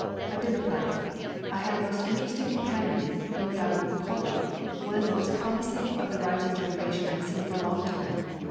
A dinner party. I had a most interesting companion in young Macaulay, one of the most promising of the rising generation I have seen for a long time.